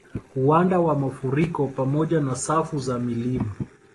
Uwanda wa mafuriko pamoja na safu za milima